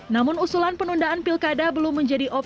namun usulan penundaan pilkada belum menjadi opsi